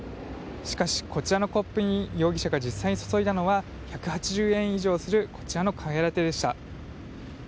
しかし、こちらのコップに容疑者が実際に注いだのは１８０円以上するこちらのカフェラテでした。